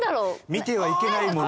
見てはいけない物。